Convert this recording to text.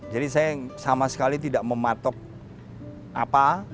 saya sama sekali tidak mematok apa